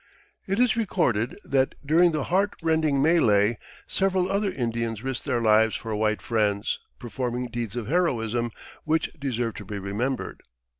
It is recorded that during the heartrending mêlée several other Indians risked their lives for white friends, performing deeds of heroism which deserve to be remembered.